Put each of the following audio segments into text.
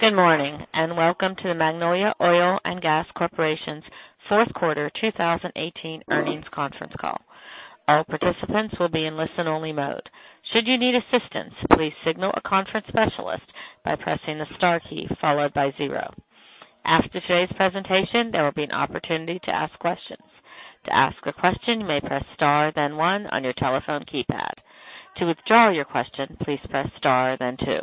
Good morning, and welcome to the Magnolia Oil & Gas Corporation's fourth quarter 2018 earnings conference call. All participants will be in listen-only mode. Should you need assistance, please signal a conference specialist by pressing the star key followed by zero. After today's presentation, there will be an opportunity to ask questions. To ask a question, you may press star then one on your telephone keypad. To withdraw your question, please press star, then two.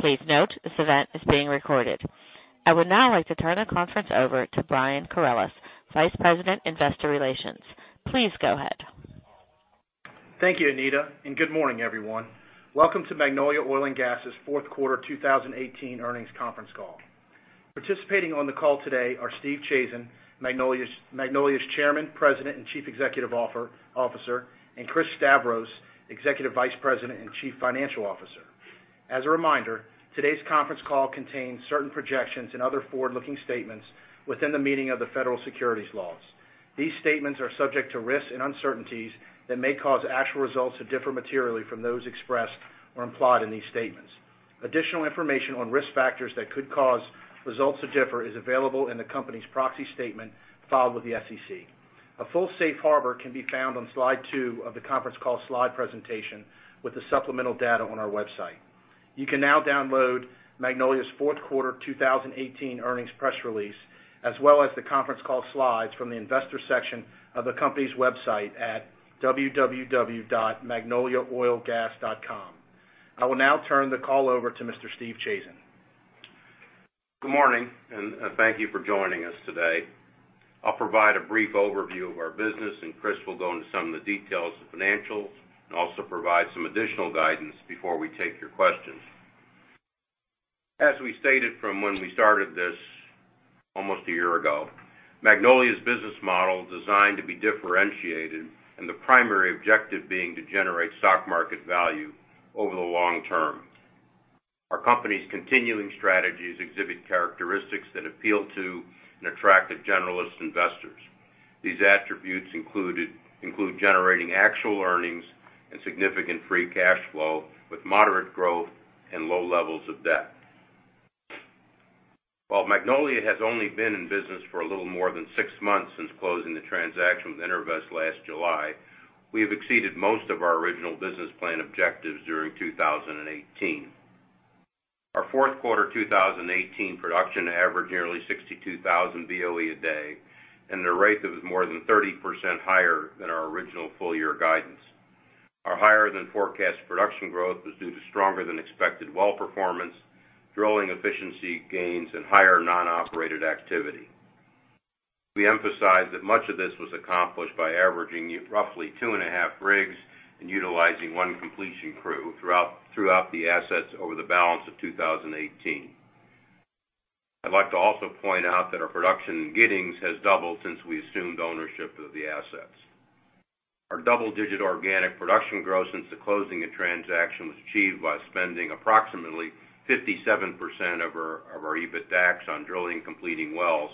Please note, this event is being recorded. I would now like to turn the conference over to Brian Corales, Vice President, Investor Relations. Please go ahead. Thank you, Anita, and good morning, everyone. Welcome to Magnolia Oil & Gas's fourth quarter 2018 earnings conference call. Participating on the call today are Stephen Chazen, Magnolia's Chairman, President, and Chief Executive Officer, and Christopher Stavros, Executive Vice President and Chief Financial Officer. As a reminder, today's conference call contains certain projections and other forward-looking statements within the meaning of the federal securities laws. These statements are subject to risks and uncertainties that may cause actual results to differ materially from those expressed or implied in these statements. Additional information on risk factors that could cause results to differ is available in the company's proxy statement filed with the SEC. A full safe harbor can be found on slide two of the conference call slide presentation with the supplemental data on our website. You can now download Magnolia's fourth quarter 2018 earnings press release, as well as the conference call slides from the investor section of the company's website at www.magnoliaoilgas.com. I will now turn the call over to Mr. Stephen Chazen. Good morning, and thank you for joining us today. I'll provide a brief overview of our business, and Chris will go into some of the details of financials and also provide some additional guidance before we take your questions. As we stated from when we started this almost a year ago, Magnolia's business model designed to be differentiated, and the primary objective being to generate stock market value over the long term. Our company's continuing strategies exhibit characteristics that appeal to and attract the generalist investors. These attributes include generating actual earnings and significant free cash flow with moderate growth and low levels of debt. While Magnolia has only been in business for a little more than six months since closing the transaction with EnerVest last July, we have exceeded most of our original business plan objectives during 2018. Our fourth quarter 2018 production averaged nearly 62,000 BOE a day at a rate that was more than 30% higher than our original full-year guidance. Our higher than forecast production growth was due to stronger than expected well performance, drilling efficiency gains, and higher non-operated activity. We emphasize that much of this was accomplished by averaging roughly two and a half rigs and utilizing one completion crew throughout the assets over the balance of 2018. I'd like to also point out that our production in Giddings has doubled since we assumed ownership of the assets. Our double-digit organic production growth since the closing of transaction was achieved by spending approximately 57% of our EBITDAX on drilling and completing wells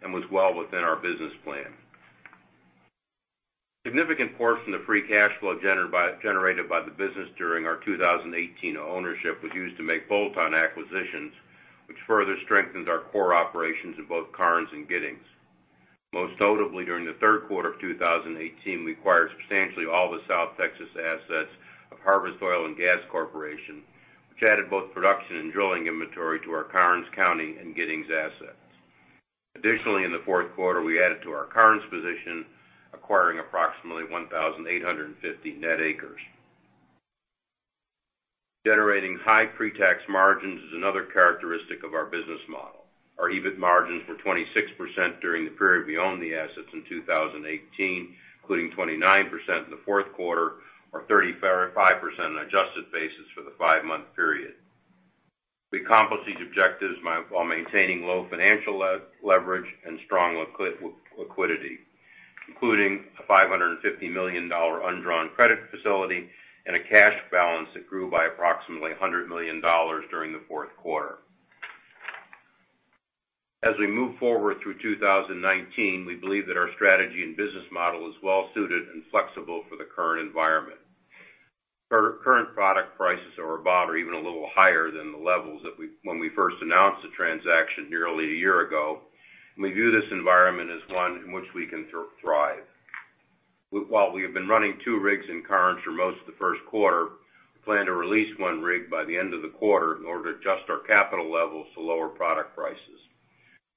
and was well within our business plan. Significant portion of free cash flow generated by the business during our 2018 ownership was used to make bolt-on acquisitions, which further strengthens our core operations in both Karnes and Giddings. Most notably, during the third quarter of 2018, we acquired substantially all the South Texas assets of Harvest Oil & Gas Corporation, which added both production and drilling inventory to our Karnes County and Giddings assets. Additionally, in the fourth quarter, we added to our Karnes position, acquiring approximately 1,850 net acres. Generating high pre-tax margins is another characteristic of our business model. Our EBIT margins were 26% during the period we owned the assets in 2018, including 29% in the fourth quarter or 35% on an adjusted basis for the five-month period. We accomplished these objectives while maintaining low financial leverage and strong liquidity, including a $550 million undrawn credit facility and a cash balance that grew by approximately $100 million during the fourth quarter. As we move forward through 2019, we believe that our strategy and business model is well suited and flexible for the current environment. Current product prices are about or even a little higher than the levels when we first announced the transaction nearly a year ago. We view this environment as one in which we can thrive. While we have been running two rigs in Karnes for most of the first quarter, we plan to release one rig by the end of the quarter in order to adjust our capital levels to lower product prices.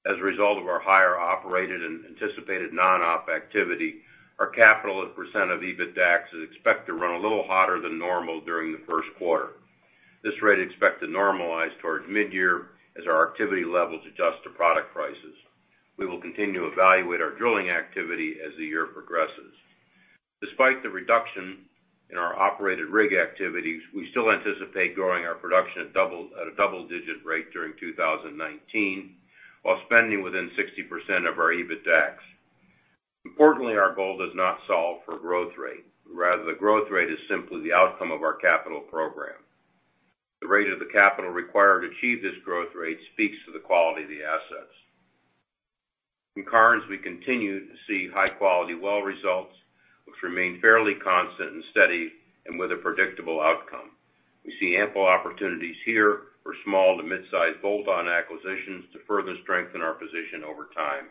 As a result of our higher operated and anticipated non-op activity, our capital at % of EBITDAX is expected to run a little hotter than normal during the first quarter. This rate is expected to normalize towards mid-year as our activity levels adjust to product prices. We will continue to evaluate our drilling activity as the year progresses. Despite the reduction in our operated rig activities, we still anticipate growing our production at a double-digit rate during 2019 while spending within 60% of our EBITDAX. Importantly, our goal does not solve for growth rate. Rather, the growth rate is simply the outcome of our capital program. The rate of the capital required to achieve this growth rate speaks to the quality of the assets. In Karnes, we continue to see high-quality well results, which remain fairly constant and steady, and with a predictable outcome. We see ample opportunities here for small to mid-size bolt-on acquisitions to further strengthen our position over time.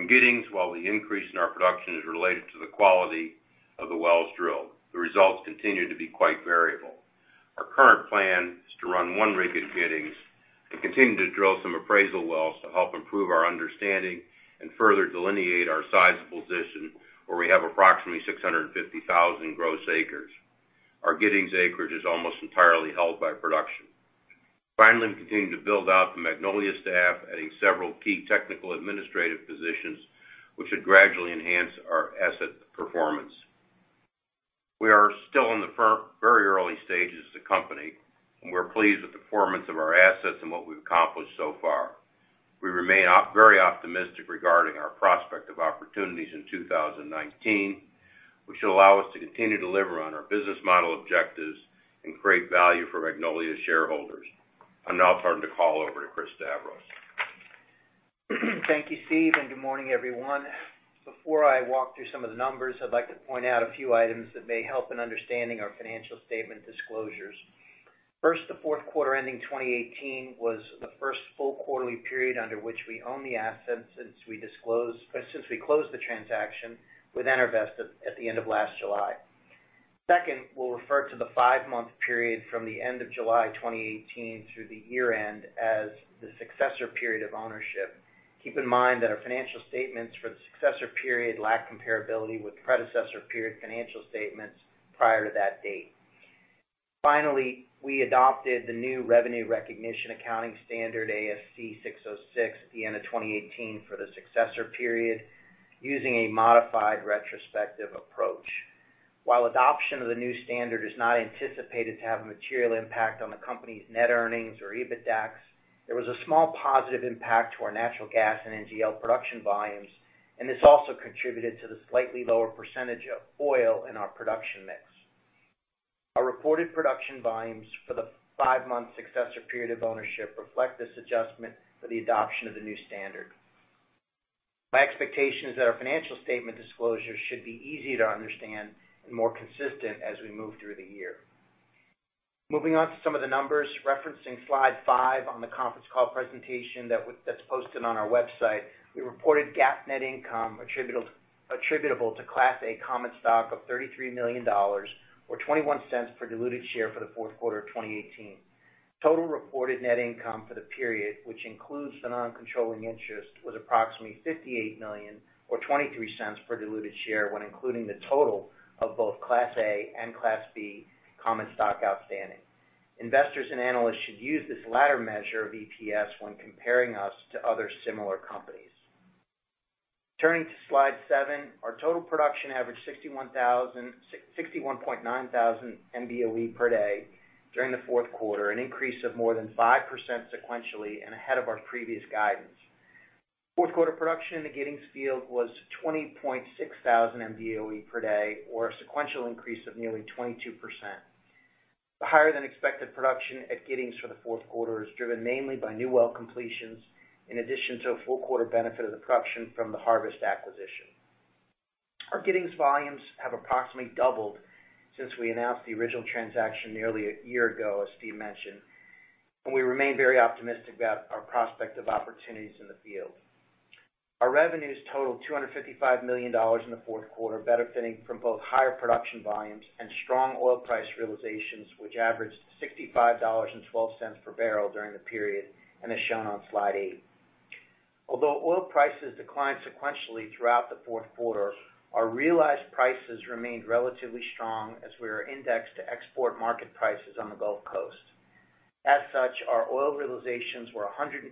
In Giddings, while the increase in our production is related to the quality of the wells drilled, the results continue to be quite variable. Our current plan is to run one rig at Giddings and continue to drill some appraisal wells to help improve our understanding and further delineate our sizable position, where we have approximately 650,000 gross acres. Our Giddings acreage is almost entirely held by production. Finally, we continue to build out the Magnolia staff, adding several key technical administrative positions, which should gradually enhance our asset performance. We are still in the very early stages as a company, and we're pleased with the performance of our assets and what we've accomplished so far. We remain very optimistic regarding our prospect of opportunities in 2019, which will allow us to continue to deliver on our business model objectives and create value for Magnolia shareholders. I'll now turn the call over to Christopher Stavros. Thank you, Steve, good morning, everyone. Before I walk through some of the numbers, I'd like to point out a few items that may help in understanding our financial statement disclosures. First, the fourth quarter ending 2018 was the first full quarterly period under which we own the assets since we closed the transaction with EnerVest at the end of last July. Second, we'll refer to the five-month period from the end of July 2018 through the year-end as the successor period of ownership. Keep in mind that our financial statements for the successor period lack comparability with predecessor period financial statements prior to that date. Finally, we adopted the new revenue recognition accounting standard, ASC 606, at the end of 2018 for the successor period, using a modified retrospective approach. While adoption of the new standard is not anticipated to have a material impact on the company's net earnings or EBITDAX, there was a small positive impact to our natural gas and NGL production volumes, this also contributed to the slightly lower percentage of oil in our production mix. Our reported production volumes for the five-month successor period of ownership reflect this adjustment for the adoption of the new standard. My expectation is that our financial statement disclosures should be easy to understand and more consistent as we move through the year. Moving on to some of the numbers. Referencing slide five on the conference call presentation that's posted on our website, we reported GAAP net income attributable to Class A common stock of $33 million, or $0.21 per diluted share for the fourth quarter of 2018. Total reported net income for the period, which includes the non-controlling interest, was approximately $58 million, or $0.23 per diluted share when including the total of both Class A and Class B common stock outstanding. Investors and analysts should use this latter measure of EPS when comparing us to other similar companies. Turning to slide seven, our total production averaged 61,900 Mboe per day during the fourth quarter, an increase of more than 5% sequentially and ahead of our previous guidance. Fourth quarter production in the Giddings field was 20,600 Mboe per day, or a sequential increase of nearly 22%. The higher-than-expected production at Giddings for the fourth quarter is driven mainly by new well completions, in addition to a full quarter benefit of the production from the Harvest acquisition. Our Giddings volumes have approximately doubled since we announced the original transaction nearly a year ago, as Steve mentioned, and we remain very optimistic about our prospect of opportunities in the field. Our revenues totaled $255 million in the fourth quarter, benefiting from both higher production volumes and strong oil price realizations, which averaged $65.12 per barrel during the period and as shown on slide eight. Although oil prices declined sequentially throughout the fourth quarter, our realized prices remained relatively strong as we were indexed to export market prices on the Gulf Coast. As such, our oil realizations were 110%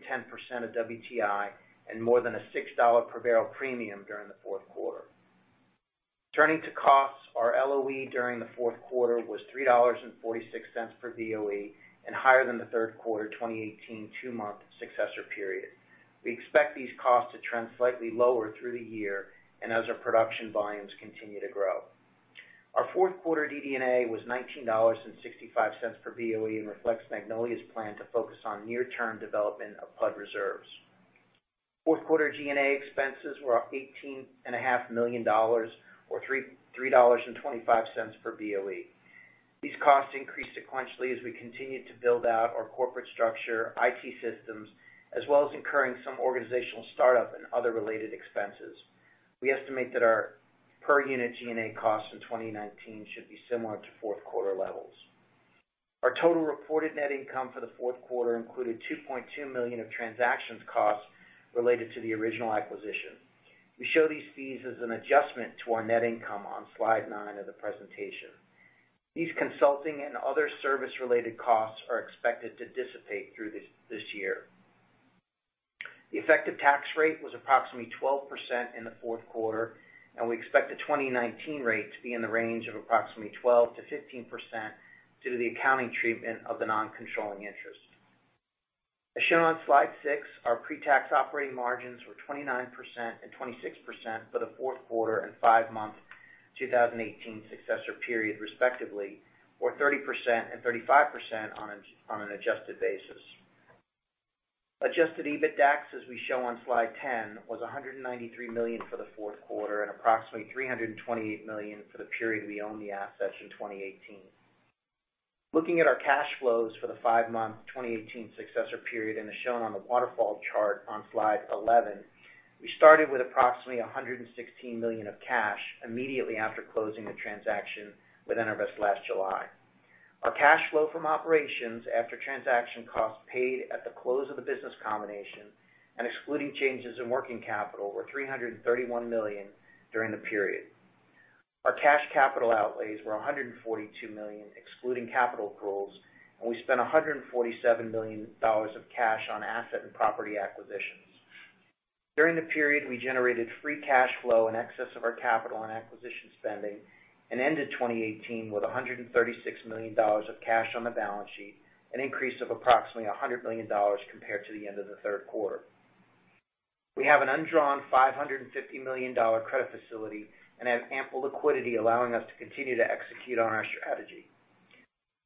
of WTI and more than a $6 per barrel premium during the fourth quarter. Turning to costs, our LOE during the fourth quarter was $3.46 per Boe and higher than the third quarter 2018 two-month successor period. We expect these costs to trend slightly lower through the year and as our production volumes continue to grow. Our fourth quarter DD&A was $19.65 per Boe and reflects Magnolia's plan to focus on near-term development of PUD reserves. Fourth quarter G&A expenses were up $18.5 million, or $3.25 per Boe. These costs increased sequentially as we continued to build out our corporate structure, IT systems, as well as incurring some organizational startup and other related expenses. We estimate that our per-unit G&A costs in 2019 should be similar to fourth quarter levels. Our total reported net income for the fourth quarter included $2.2 million of transactions costs related to the original acquisition. We show these fees as an adjustment to our net income on slide nine of the presentation. These consulting and other service-related costs are expected to dissipate through this year. The effective tax rate was approximately 12% in the fourth quarter, and we expect the 2019 rate to be in the range of approximately 12%-15% due to the accounting treatment of the non-controlling interest. As shown on slide six, our pre-tax operating margins were 29% and 26% for the fourth quarter and five months 2018 successor period respectively, or 30% and 35% on an adjusted basis. Adjusted EBITDAX, as we show on slide 10, was $193 million for the fourth quarter and approximately $328 million for the period we own the assets in 2018. Looking at our cash flows for the five-month 2018 successor period and as shown on the waterfall chart on slide 11, we started with approximately $116 million of cash immediately after closing the transaction with EnerVest last July. Our cash flow from operations after transaction costs paid at the close of the business combination and excluding changes in working capital, were $331 million during the period. Our cash capital outlays were $142 million, excluding capital pools, and we spent $147 million of cash on asset and property acquisitions. During the period, we generated free cash flow in excess of our capital and acquisition spending and ended 2018 with $136 million of cash on the balance sheet, an increase of approximately $100 million compared to the end of the third quarter. We have an undrawn $550 million credit facility and have ample liquidity allowing us to continue to execute on our strategy.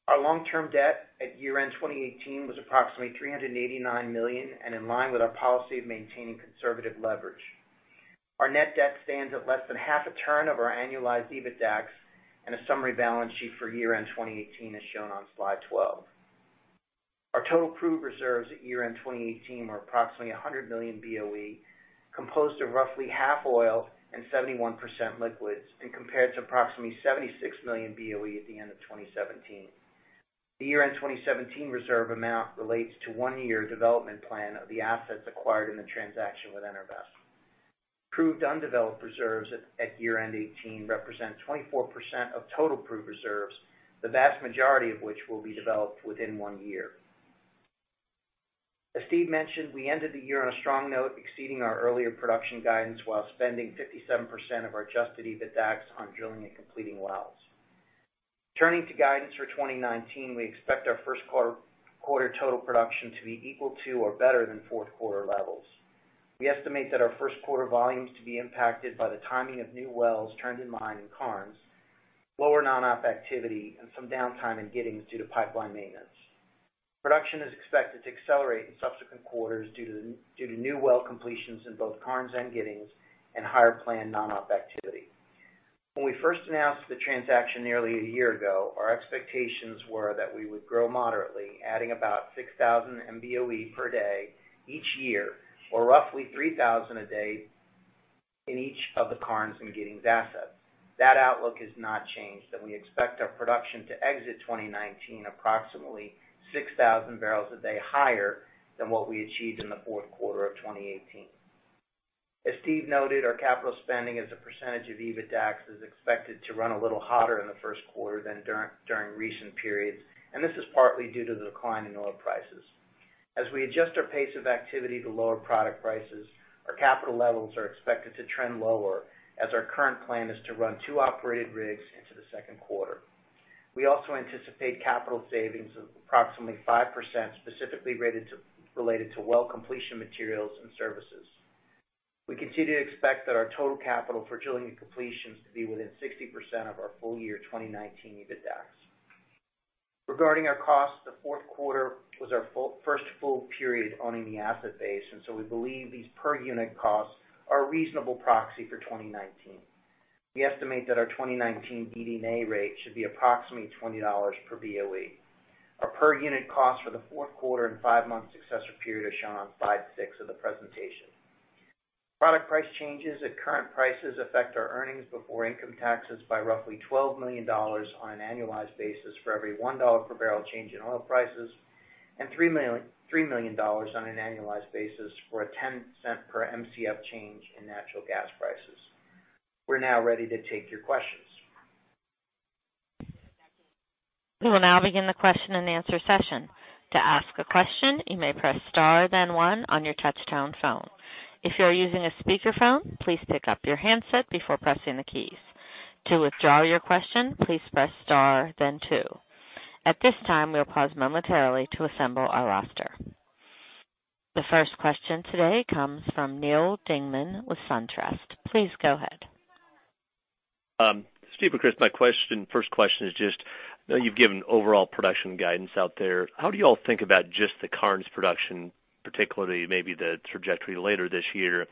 Our long-term debt at year-end 2018 was approximately $389 million and in line with our policy of maintaining conservative leverage. Our net debt stands at less than half a turn of our annualized EBITDAX. A summary balance sheet for year-end 2018 is shown on Slide 12. Our total proved reserves at year-end 2018 were approximately 100 million BOE, composed of roughly half oil and 71% liquids, compared to approximately 76 million BOE at the end of 2017. The year-end 2017 reserve amount relates to one year development plan of the assets acquired in the transaction with EnerVest. Proved undeveloped reserves at year-end 2018 represent 24% of total proved reserves, the vast majority of which will be developed within one year. As Steve mentioned, we ended the year on a strong note, exceeding our earlier production guidance while spending 57% of our adjusted EBITDAX on drilling and completing wells. Turning to guidance for 2019, we expect our first quarter total production to be equal to or better than fourth quarter levels. We estimate that our first quarter volumes to be impacted by the timing of new wells turned in line in Karnes, lower non-op activity, and some downtime in Giddings due to pipeline maintenance. Production is expected to accelerate in subsequent quarters due to new well completions in both Karnes and Giddings and higher planned non-op activity. When we first announced the transaction nearly a year ago, our expectations were that we would grow moderately, adding about 6,000 Mboe per day each year, or roughly 3,000 a day in each of the Karnes and Giddings assets. That outlook has not changed, and we expect our production to exit 2019 approximately 6,000 barrels a day higher than what we achieved in the fourth quarter of 2018. As Steve noted, our capital spending as a percentage of EBITDAX is expected to run a little hotter in the first quarter than during recent periods. This is partly due to the decline in oil prices. As we adjust our pace of activity to lower product prices, our capital levels are expected to trend lower as our current plan is to run two operated rigs into the second quarter. We also anticipate capital savings of approximately 5% specifically related to well completion materials and services. We continue to expect that our total capital for drilling and completions to be within 60% of our full year 2019 EBITDAX. Regarding our costs, the fourth quarter was our first full period owning the asset base. We believe these per unit costs are a reasonable proxy for 2019. We estimate that our 2019 DD&A rate should be approximately $20 per BOE. Our per unit cost for the fourth quarter and five-month successor period are shown on Slide six of the presentation. Product price changes at current prices affect our earnings before income taxes by roughly $12 million on an annualized basis for every $1 per barrel change in oil prices and $3 million on an annualized basis for a $0.10 per Mcf change in natural gas prices. We're now ready to take your questions. We will now begin the question and answer session. To ask a question, you may press star then one on your touchtone phone. If you are using a speakerphone, please pick up your handset before pressing the keys. To withdraw your question, please press star then two. At this time, we will pause momentarily to assemble our roster. The first question today comes from Neal Dingmann with SunTrust. Please go ahead. Steve and Chris, my first question is just, I know you've given overall production guidance out there. How do you all think about just the Karnes production, particularly maybe the trajectory later this year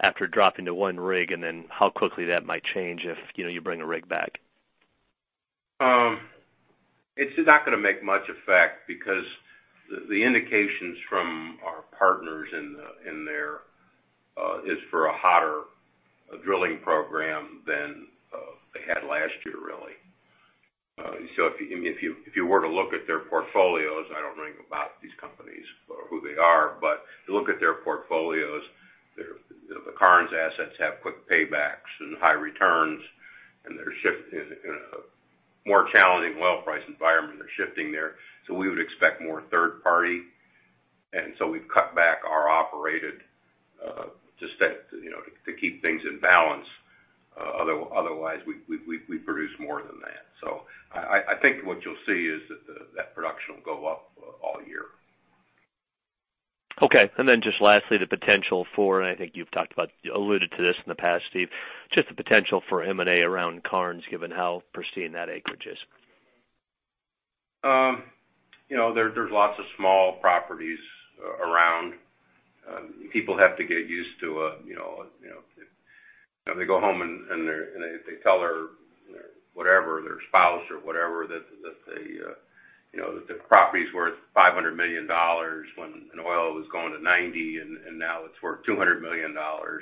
after dropping to one rig, and then how quickly that might change if you bring a rig back? It's not going to make much effect because the indications from our partners in there, is for a hotter drilling program than they had last year, really. If you were to look at their portfolios, I don't know about these companies or who they are, but if you look at their portfolios, the Karnes assets have quick paybacks and high returns, and they're shifting there. We would expect more third party, we've cut back our operated, to stay, to keep things in balance. Otherwise, we produce more than that. I think what you'll see is that that production will go up Okay. Just lastly, the potential for, I think you've alluded to this in the past, Steve, just the potential for M&A around Karnes, given how pristine that acreage is. There's lots of small properties around. People have to get used to they go home, and they tell their spouse or whatever that their property's worth $500 million when oil was going to $90, and now it's worth $200 million.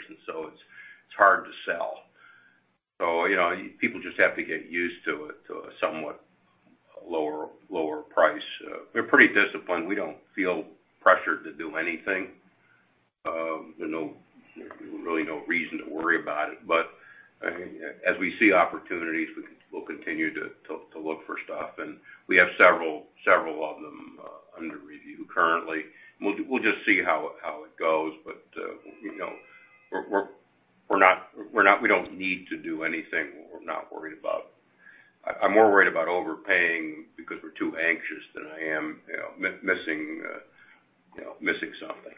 It's hard to sell. People just have to get used to a somewhat lower price. We're pretty disciplined. We don't feel pressured to do anything. There's really no reason to worry about it. As we see opportunities, we'll continue to look for stuff, and we have several of them under review currently, and we'll just see how it goes. We don't need to do anything. We're not worried about I'm more worried about overpaying because we're too anxious than I am missing something.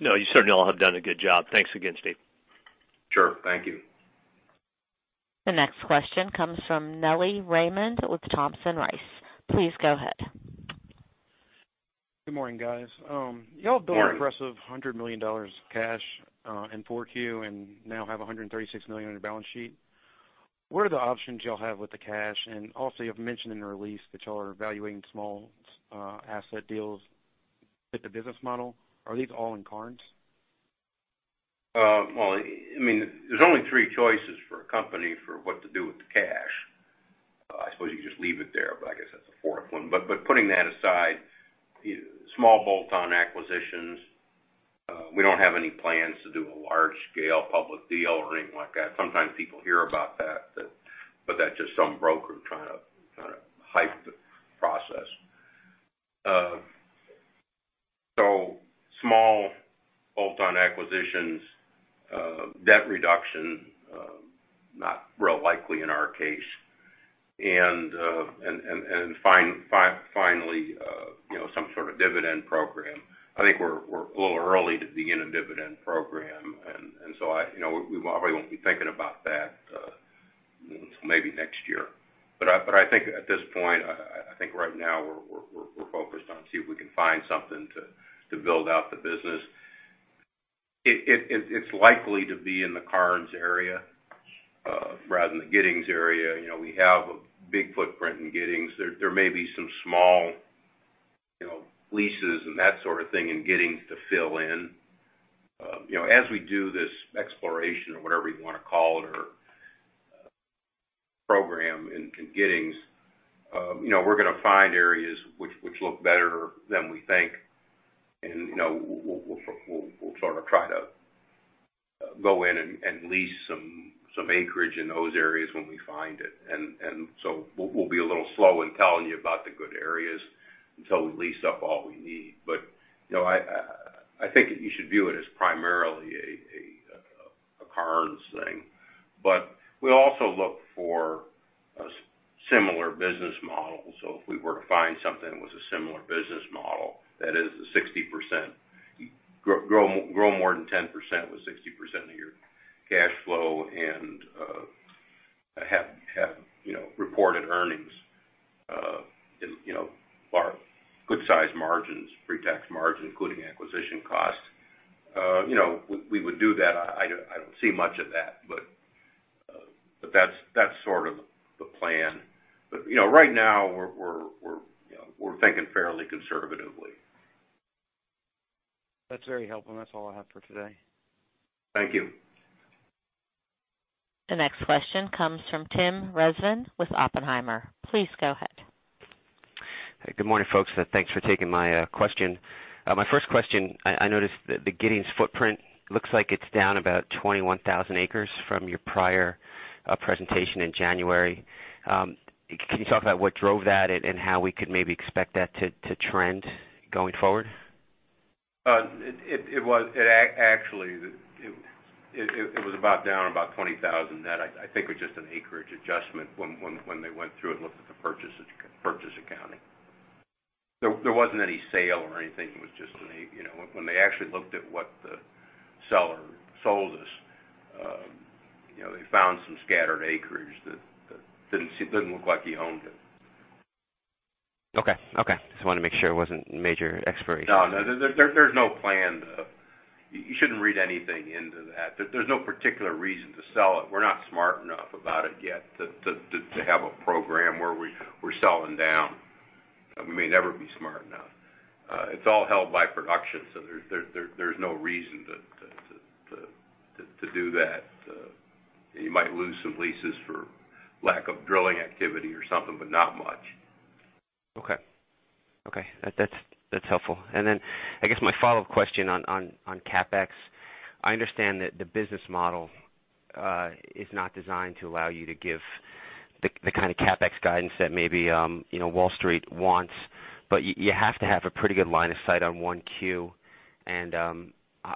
No, you certainly all have done a good job. Thanks again, Steve. Sure. Thank you. The next question comes from Nelly Raymond with Johnson Rice. Please go ahead. Good morning, guys. Morning. You all built an impressive $100 million cash in 4Q and now have $136 million on your balance sheet. What are the options you all have with the cash? Also, you've mentioned in the release that you all are evaluating small asset deals fit the business model. Are these all in Karnes? Well, there's only three choices for a company for what to do with the cash. I suppose you could just leave it there, but I guess that's the fourth one. Putting that aside, small bolt-on acquisitions, we don't have any plans to do a large-scale public deal or anything like that. Sometimes people hear about that, but that's just some broker trying to hype the process. Small bolt-on acquisitions, debt reduction, not real likely in our case. Finally, some sort of dividend program. I think we're a little early to begin a dividend program, and so we probably won't be thinking about that until maybe next year. I think at this point, I think right now we're focused on seeing if we can find something to build out the business. It's likely to be in the Karnes area rather than the Giddings area. We have a big footprint in Giddings. There may be some small leases and that sort of thing in Giddings to fill in. As we do this exploration or whatever you want to call it, or program in Giddings, we're going to find areas which look better than we think, and we'll sort of try to go in and lease some acreage in those areas when we find it. We'll be a little slow in telling you about the good areas until we lease up all we need. I think you should view it as primarily a Karnes thing. We also look for a similar business model. If we were to find something that was a similar business model, that is a 60%, grow more than 10% with 60% of your cash flow and have reported earnings or good size margins, pre-tax margin, including acquisition costs. We would do that. I don't see much of that's sort of the plan. Right now we're thinking fairly conservatively. That's very helpful. That's all I have for today. Thank you. The next question comes from Tim Rezvan with Oppenheimer. Please go ahead. Good morning, folks. Thanks for taking my question. My first question, I noticed that the Giddings footprint looks like it's down about 21,000 acres from your prior presentation in January. Can you talk about what drove that and how we could maybe expect that to trend going forward? Actually, it was about down about 20,000. That I think was just an acreage adjustment when they went through and looked at the purchase accounting. There wasn't any sale or anything. It was just when they actually looked at what the seller sold us, they found some scattered acreage that didn't look like he owned it. Okay. Just wanted to make sure it wasn't major exploration. No, there's no plan. You shouldn't read anything into that. There's no particular reason to sell it. We're not smart enough about it yet to have a program where we're selling down. We may never be smart enough. It's all held by production, so there's no reason to do that. You might lose some leases for lack of drilling activity or something, but not much. Okay. That's helpful. Then I guess my follow-up question on CapEx, I understand that the business model is not designed to allow you to give the kind of CapEx guidance that maybe Wall Street wants, but you have to have a pretty good line of sight on 1Q,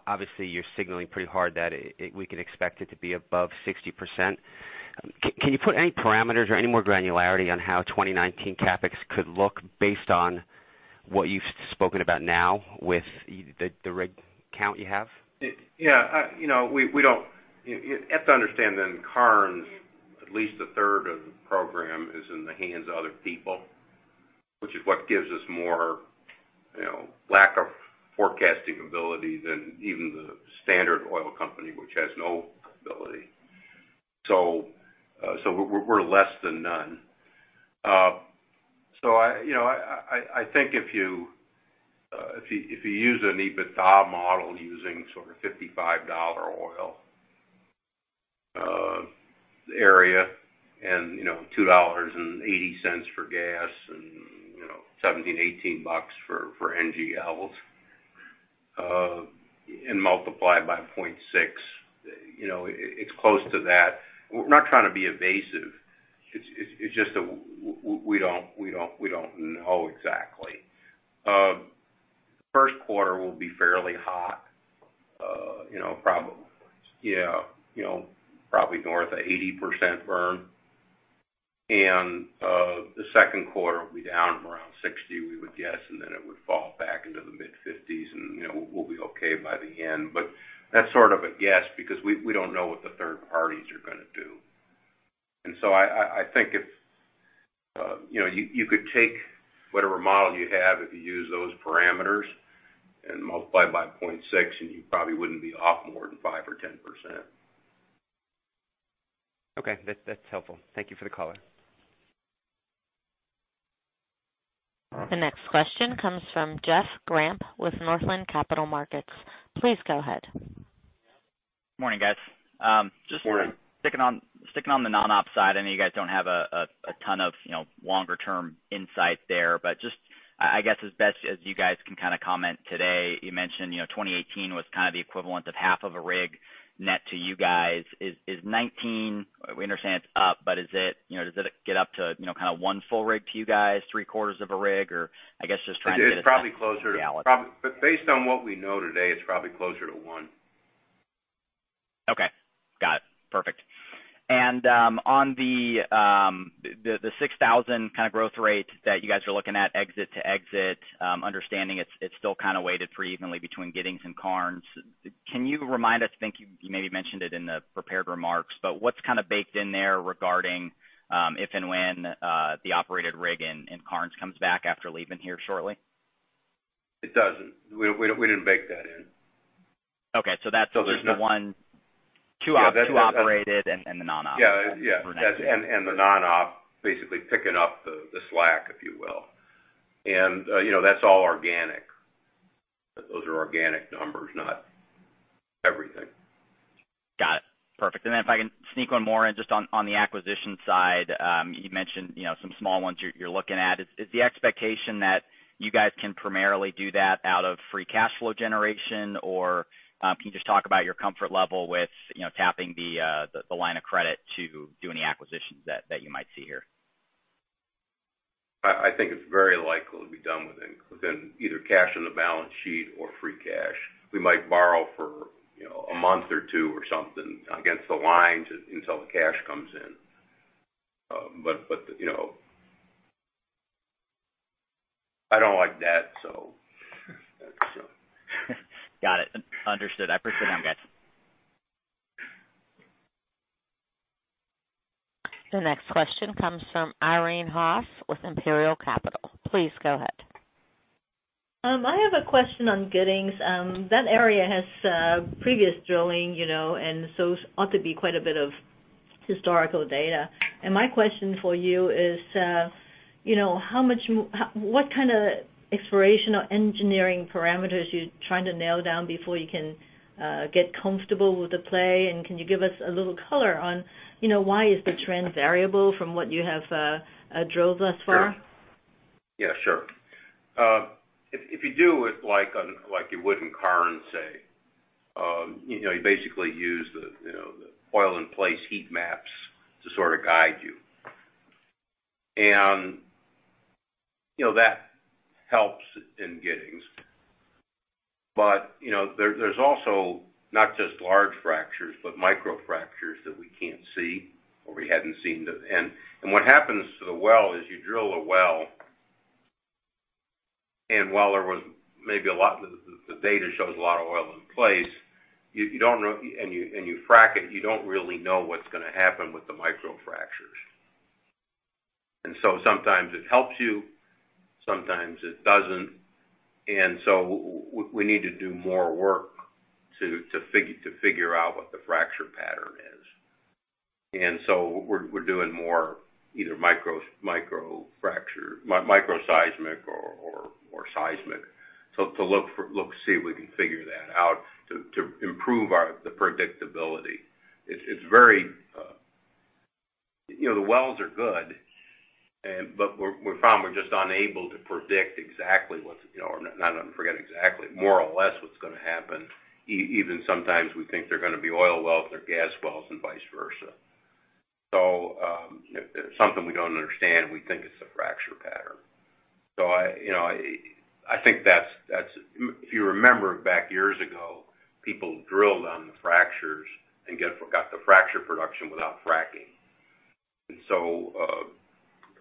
obviously you're signaling pretty hard that we can expect it to be above 60%. Can you put any parameters or any more granularity on how 2019 CapEx could look based on what you've spoken about now with the rig count you have? Yeah. You have to understand that in Karnes, at least a third of the program is in the hands of other people, which is what gives us more lack of forecasting ability than even the standard oil company, which has no ability. We're less than none. I think if you use an EBITDA model using sort of $55 oil area and $2.80 for gas and $17, $18 for NGLs, and multiply by 0.6, it's close to that. We're not trying to be evasive. It's just that we don't know exactly. First quarter will be fairly hot. Probably north of 80% burn, and the second quarter will be down around 60%, we would guess, and then it would fall back into the mid-50s%, and we'll be okay by the end. That's sort of a guess, because we don't know what the third parties are going to do. I think you could take whatever model you have, if you use those parameters and multiply by 0.6, and you probably wouldn't be off more than 5% or 10%. Okay. That's helpful. Thank you for the color. The next question comes from Jeff Grampp with Northland Capital Markets. Please go ahead. Morning, guys. Morning. Sticking on the non-op side, I know you guys don't have a ton of longer-term insight there, just, I guess as best as you guys can comment today, you mentioned 2018 was kind of the equivalent of half of a rig net to you guys. Is 2019, we understand it's up, does it get up to one full rig to you guys? Three quarters of a rig? I guess just trying to get- It's probably closer- a reality. Based on what we know today, it's probably closer to one. Okay. Got it. Perfect. On the 6,000 kind of growth rate that you guys are looking at exit to exit, understanding it's still kind of weighted pretty evenly between Giddings and Karnes. Can you remind us, I think you maybe mentioned it in the prepared remarks, but what's kind of baked in there regarding if and when the operated rig in Karnes comes back after leaving here shortly? It doesn't. We didn't bake that in. Okay. There's the one two operated and the non-op. Yeah. The non-op basically picking up the slack, if you will. That's all organic. Those are organic numbers, not everything. Got it. Perfect. If I can sneak one more in, just on the acquisition side, you mentioned some small ones you're looking at. Is the expectation that you guys can primarily do that out of free cash flow generation? Or can you just talk about your comfort level with tapping the line of credit to do any acquisitions that you might see here? I think it's very likely it'll be done within either cash on the balance sheet or free cash. We might borrow for a month or two or something against the line until the cash comes in. I don't like debt. Got it. Understood. I appreciate that, guys. The next question comes from Irene Haas with Imperial Capital. Please go ahead. I have a question on Giddings. That area has previous drilling, and so ought to be quite a bit of historical data. My question for you is, what kind of exploration or engineering parameters you're trying to nail down before you can get comfortable with the play? Can you give us a little color on why is the trend variable from what you have drilled thus far? Yeah, sure. If you do it like you would in Karnes, say, you basically use the oil in place heat maps to sort of guide you. That helps in Giddings. There's also not just large fractures, but micro fractures that we can't see, or we hadn't seen. What happens to the well is you drill a well, and while the data shows a lot of oil in place, and you frack it, you don't really know what's going to happen with the micro fractures. Sometimes it helps you, sometimes it doesn't. We need to do more work to figure out what the fracture pattern is. We're doing more either micro seismic or seismic. To look, see if we can figure that out to improve the predictability. The wells are good, but we're probably just unable to predict exactly what's, or not forget exactly, more or less what's going to happen. Even sometimes we think they're going to be oil wells, they're gas wells, and vice versa. It's something we don't understand. We think it's a fracture pattern. I think that's. If you remember back years ago, people drilled on the fractures and got the fracture production without fracking.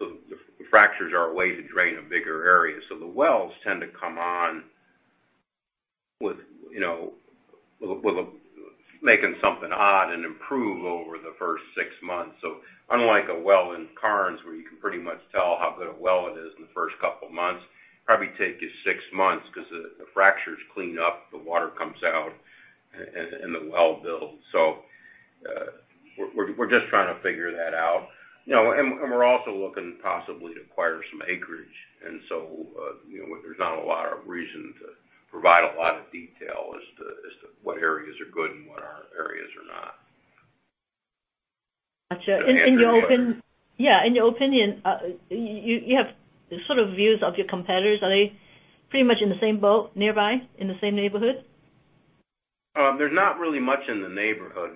The fractures are a way to drain a bigger area. The wells tend to come on with making something odd and improve over the first six months. Unlike a well in Karnes where you can pretty much tell how good a well it is in the first couple of months, probably take you six months because the fractures clean up, the water comes out, and the well builds. We're just trying to figure that out. We're also looking possibly to acquire some acreage, and there's not a lot of reason to provide a lot of detail as to what areas are good and what areas are not. Gotcha. Does that answer your? Yeah. In your opinion, you have sort of views of your competitors. Are they pretty much in the same boat, nearby, in the same neighborhood? There's not really much in the neighborhood.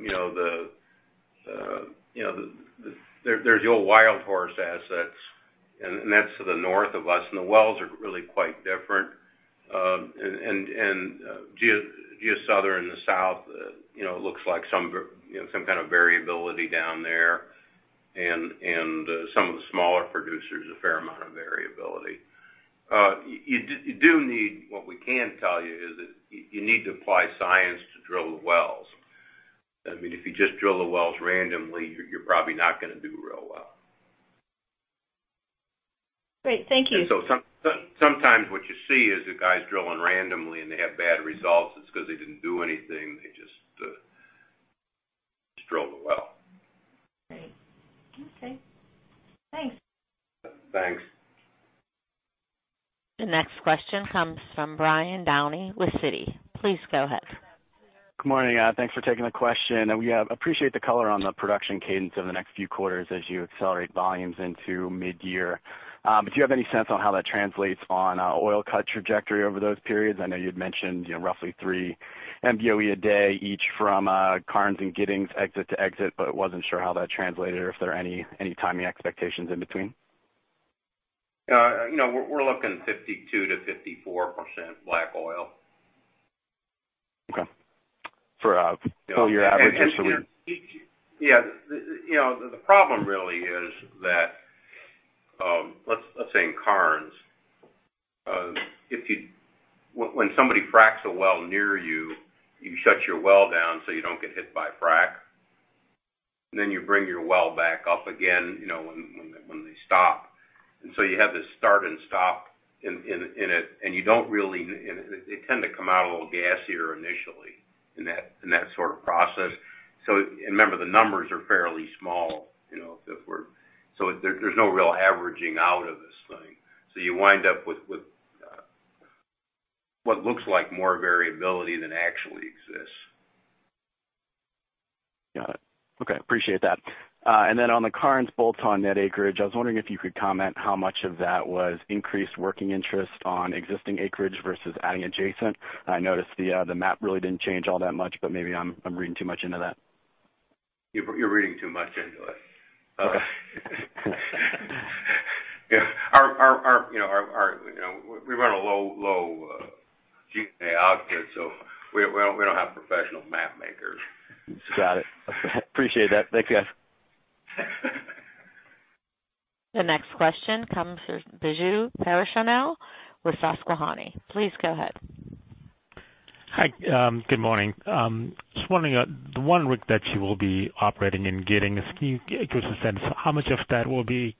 There's the old WildHorse assets, and that's to the north of us, and the wells are really quite different. GeoSouthern in the south, looks like some kind of variability down there and some of the smaller producers, a fair amount of variability. What we can tell you is that you need to apply science to drill the wells. If you just drill the wells randomly, you're probably not going to do real well. Great. Thank you. Sometimes what you see is the guys drilling randomly, and they have bad results. It's because they didn't do anything. They just drilled the well. Great. Okay. Thanks. Thanks. The next question comes from Brian Downey with Citi. Please go ahead. Good morning. Thanks for taking the question. We appreciate the color on the production cadence over the next few quarters as you accelerate volumes into mid-year. Do you have any sense on how that translates on oil cut trajectory over those periods? I know you'd mentioned roughly three MBOE a day each from Karnes and Giddings exit to exit, but wasn't sure how that translated or if there are any timing expectations in between. We're looking at 52%-54% black oil. Okay. Yeah. The problem really is that, let's say in Karnes, when somebody fracks a well near you shut your well down so you don't get hit by a frack, and then you bring your well back up again when they stop. You have this start and stop in it. They tend to come out a little gassier initially in that sort of process. Remember, the numbers are fairly small. There's no real averaging out of this thing. You wind up with what looks like more variability than actually exists. Got it. Okay. Appreciate that. Then on the Karnes bolt-on net acreage, I was wondering if you could comment how much of that was increased working interest on existing acreage versus adding adjacent. I noticed the map really didn't change all that much, but maybe I'm reading too much into that. You're reading too much into it. Okay. We run a low G&A outfit. We don't have professional map makers. Got it. Appreciate that. Thanks, guys. The next question comes from Biju Perincheril with Susquehanna. Please go ahead. Hi. Good morning. Just wondering, the one rig that you will be operating in Giddings, can you give us a sense of how much of that will be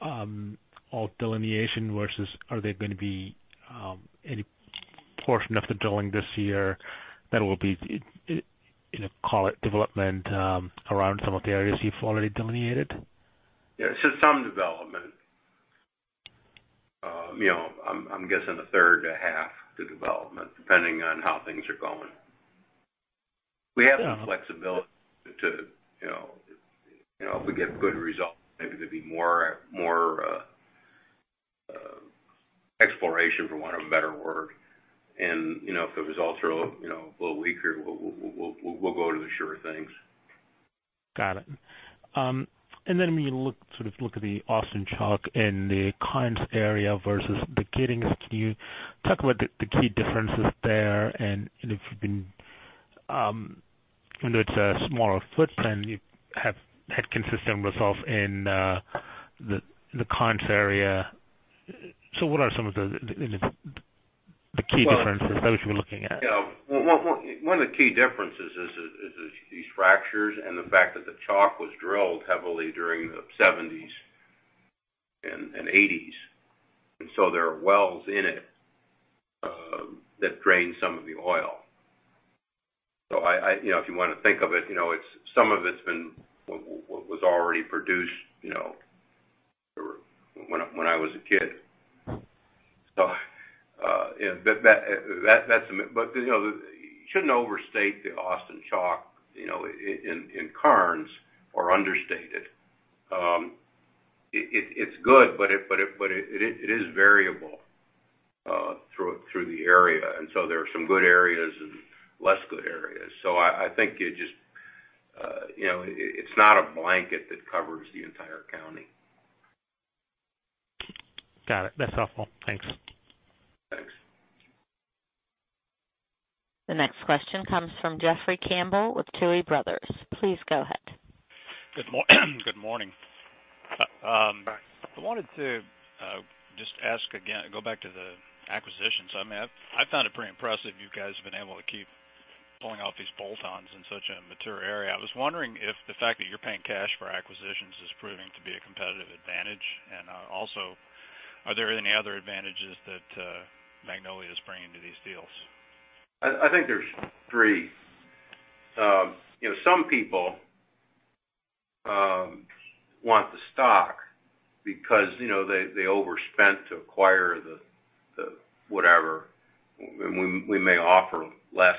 all delineation versus are there going to be any portion of the drilling this year that will be, call it development around some of the areas you've already delineated? Some development. I'm guessing a third to half to development, depending on how things are going. We have the flexibility to, if we get good results, maybe there'd be more exploration, for want of a better word. If the results are a little weaker, we'll go to the surer things. Got it. When you look at the Austin Chalk in the Karnes area versus the Giddings, can you talk about the key differences there, and if you've been I know it's a smaller footprint, and you have had consistent results in the Karnes area. What are some of the key differences there which we're looking at? One of the key differences is these fractures and the fact that the Chalk was drilled heavily during the '70s and '80s. There are wells in it that drain some of the oil. If you want to think of it, some of it was already produced when I was a kid. You shouldn't overstate the Austin Chalk in Karnes or understate it. It's good, but it is variable through the area. There are some good areas and less good areas. I think it's not a blanket that covers the entire county. Got it. That's helpful. Thanks. Thanks. The next question comes from Jeffrey Campbell with Tuohy Brothers. Please go ahead. Good morning. Hi. I wanted to just ask again, go back to the acquisitions. I've found it pretty impressive you guys have been able to keep pulling off these bolt-ons in such a mature area. I was wondering if the fact that you're paying cash for acquisitions is proving to be a competitive advantage. Also, are there any other advantages that Magnolia is bringing to these deals? I think there's three. Some people want the stock because they overspent to acquire the whatever, when we may offer less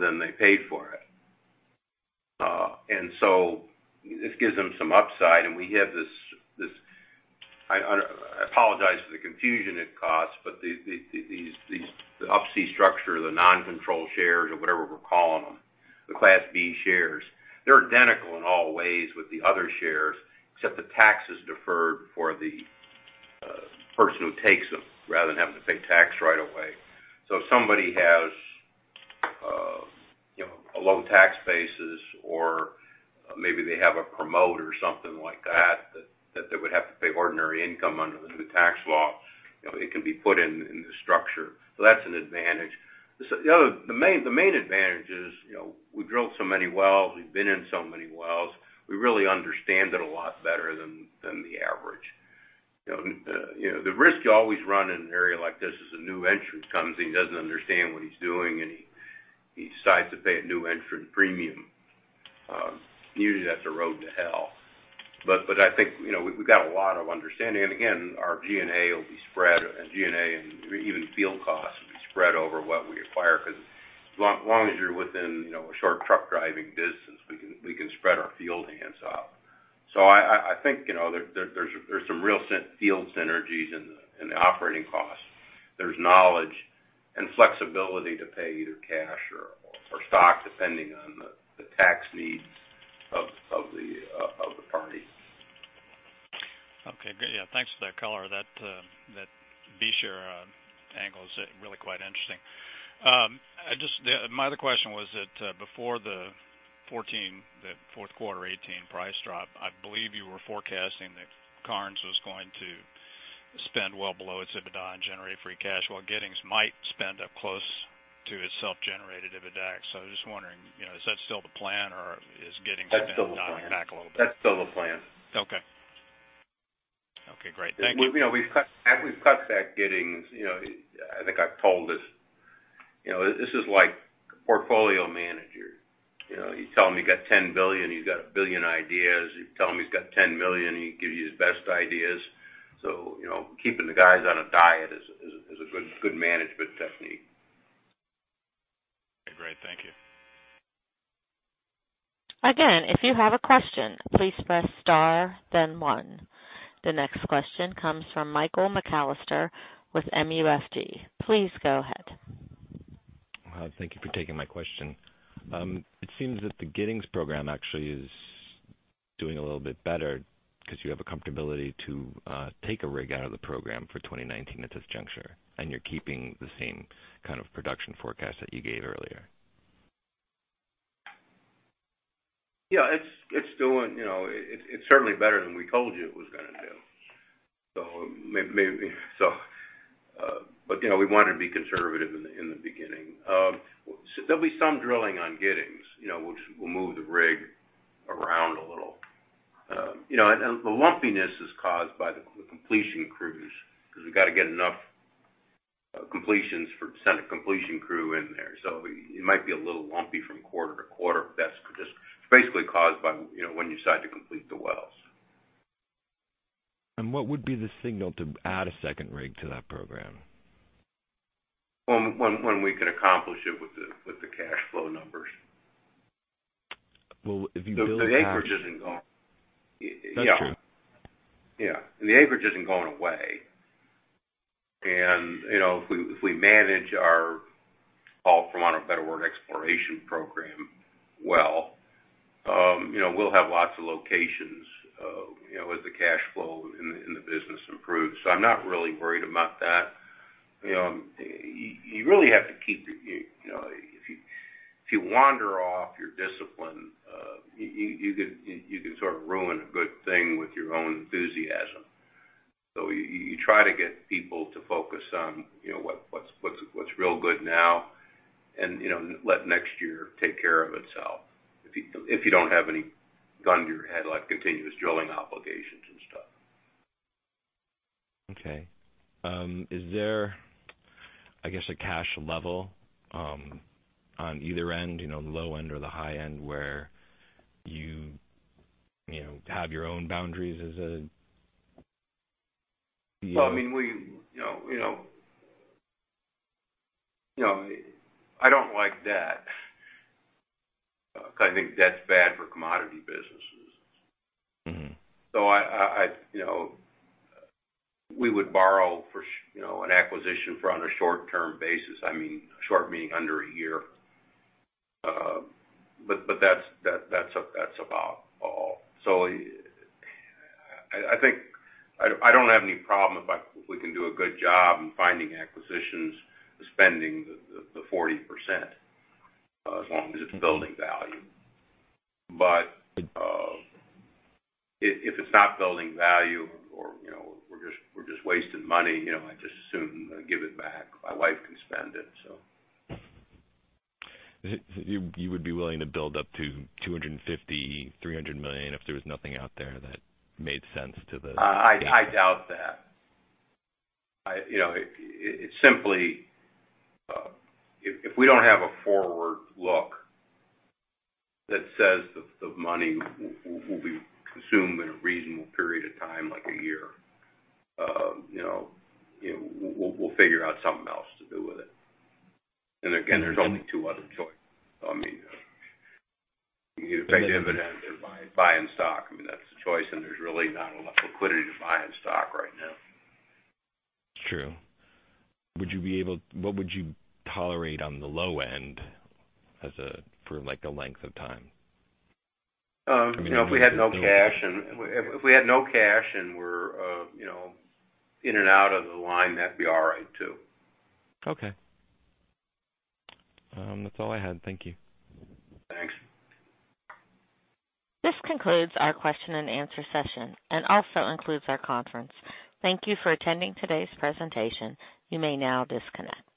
than they paid for it. This gives them some upside, and we have this I apologize for the confusion it caused, but these, the up-C structure, the non-controlled shares or whatever we're calling them, the Class B shares. They're identical in all ways with the other shares, except the tax is deferred for the person who takes them rather than having to pay tax right away. If somebody has a low tax basis or maybe they have a promote or something like that they would have to pay ordinary income under the new tax law it can be put in the structure. That's an advantage. The main advantage is, we've drilled so many wells, we've been in so many wells, we really understand it a lot better than the average. The risk you always run in an area like this is a new entrant comes in, he doesn't understand what he's doing, and he decides to pay a new entrant premium. Usually, that's a road to hell. I think, we've got a lot of understanding. Again, our G&A will be spread, G&A and even field costs will be spread over what we acquire, because as long as you're within a short truck driving distance, we can spread our field hands out. I think there's some real field synergies in the operating costs. There's knowledge and flexibility to pay either cash or stock, depending on the tax needs of the party. Okay, great. Yeah, thanks for that color. That B share angle is really quite interesting. My other question was that before the fourth quarter 18 price drop, I believe you were forecasting that Karnes was going to spend well below its EBITDA and generate free cash, while Giddings might spend up close to its self-generated EBITDAX. I was just wondering, is that still the plan or is Giddings- That's still the plan dialing back a little bit? That's still the plan. Okay. Okay, great. Thank you. After we've cut back Giddings, I think I've told this. This is like portfolio manager. You tell him you got 10 billion, he's got 1 billion ideas. You tell him he's got 10 million, he gives you his best ideas. Keeping the guys on a diet is a good management technique. Okay, great. Thank you. If you have a question, please press star, then one. The next question comes from Michael McAlister with MUFG. Please go ahead. Thank you for taking my question. It seems that the Giddings program actually is doing a little bit better because you have a comfortability to take a rig out of the program for 2019 at this juncture. You're keeping the same kind of production forecast that you gave earlier. Yeah. It's certainly better than we told you it was going to do. We wanted to be conservative in the beginning. There'll be some drilling on Giddings. We'll move the rig around a little. The lumpiness is caused by the completion crews, because we've got to get enough completions to send a completion crew in there. It might be a little lumpy from quarter to quarter, but that's just basically caused by when you decide to complete the wells. What would be the signal to add a second rig to that program? When we can accomplish it with the cash flow numbers. Well, if you build. The acreage isn't going. That's true. Yeah. The acreage isn't going away. If we manage our, call for want of a better word, exploration program well, we'll have lots of locations with the cash flow and the business improves. I'm not really worried about that. You really have to keep. If you wander off your discipline, you could sort of ruin a good thing with your own enthusiasm. You try to get people to focus on what's real good now, and let next year take care of itself. If you don't have any gun to your head, like continuous drilling obligations and stuff. Okay. Is there, I guess, a cash level on either end, the low end or the high end, where you have your own boundaries as a Well, I don't like debt. I think that's bad for commodity businesses. We would borrow for an acquisition from a short-term basis. Short meaning under a year. That's about all. I think I don't have any problem, if we can do a good job in finding acquisitions, spending the 40%, as long as it's building value. If it's not building value or we're just wasting money, I'd just as soon give it back. My wife can spend it, so You would be willing to build up to $250, $300 million if there was nothing out there that made sense to the- I doubt that. It's simply, if we don't have a forward look that says the money will be consumed in a reasonable period of time, like a year, we'll figure out something else to do with it. Again, there's only two other choices. You either pay dividends or buying stock. That's the choice. There's really not enough liquidity to buy in stock right now. True. What would you tolerate on the low end for a length of time? If we had no cash and we're in and out of the line, that'd be all right, too. Okay. That's all I had. Thank you. Thanks. This concludes our question and answer session and also concludes our conference. Thank you for attending today's presentation. You may now disconnect.